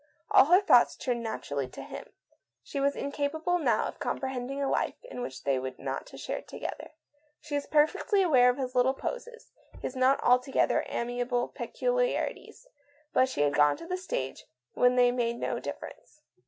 All her thoughts turned naturally to him; she was 168 / THE 8T0RT OF A MODERN WOMAN. incapable now of comprehending a life which they were not to share together. She was perfectly aware of his little poses, his not altogether amiable peculiarities, but she had got to the stage when they made no differ ence.